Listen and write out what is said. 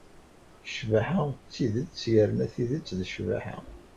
Ccbaḥa d tidet yerna tidet d ccbaḥa.